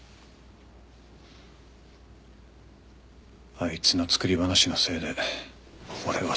あいつの作り話のせいで俺はずっと。